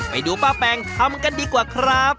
ไปดูป้าแปงทำกันดีกว่าครับ